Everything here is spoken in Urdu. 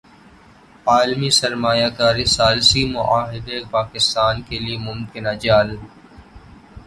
عالمی سرمایہ کاری ثالثی معاہدہ پاکستان کیلئے ممکنہ جال